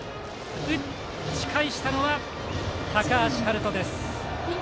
打ち返したのは高橋陽大です。